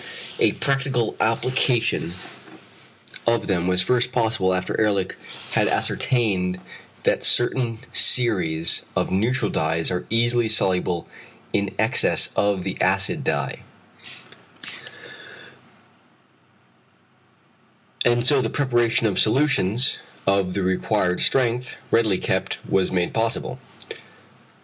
A practical application of them was first possible after Ehrlich had ascertained that certain series of the neutral dyes are easily soluble in excess of the acid dye, and so the preparation of solutions of the required strength, readily kept, was made possible.